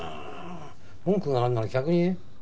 文句があるなら客に言え。